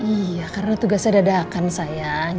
iya karena tugasnya dadakan sayang